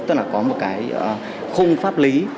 tức là có một cái khung pháp lý